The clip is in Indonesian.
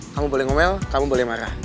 kamu boleh ngomel kamu boleh marah